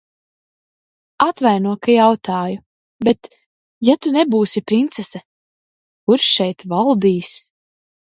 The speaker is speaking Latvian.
Atvaino, ka jautāju, bet, ja tu nebūsi princese, kurš šeit valdīs?